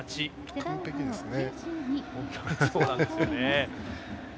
完璧ですね。